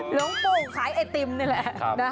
หลวงปู่ขายไอติมนี่แหละ